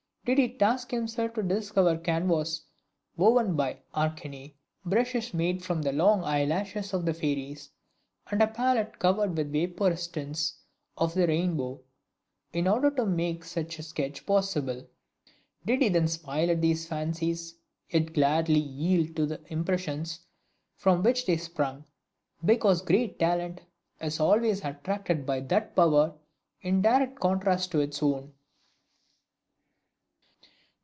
Did he task himself to discover canvas woven by Arachne, brushes made from the long eyelashes of the fairies, and a pallet covered with the vaporous tints of the rainbow, in order to make such a sketch possible? Did he then smile at these fancies, yet gladly yield to the impressions from which they sprung, because great talent is always attracted by that power in direct contrast to its own?